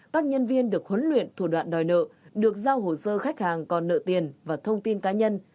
các nhân viên được huấn luyện thủ đoạn đòi nợ được giao hồ sơ khách hàng còn nợ tiền và thông tin cá nhân